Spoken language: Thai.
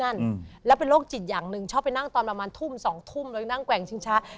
คุณพ่อเป็นฆาตราชการอยู่ที่สัตหีพ